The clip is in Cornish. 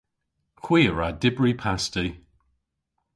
Hwi a wra dybri pasti.